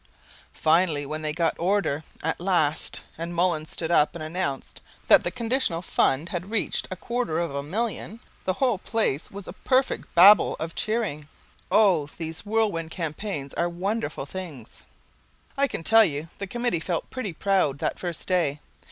Finally when they got order at last, and Mullins stood up and announced that the conditional fund had reached a quarter of a million, the whole place was a perfect babel of cheering. Oh, these Whirlwind Campaigns are wonderful things! I can tell you the Committee felt pretty proud that first day.